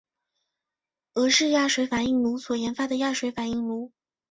俄式压水反应炉所研发的压水反应炉。